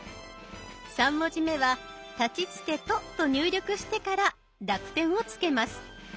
３文字目は「たちつてと」と入力してから濁点をつけます。